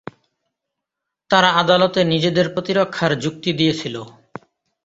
তারা আদালতে নিজেদের প্রতিরক্ষার যুক্তি দিয়েছিল।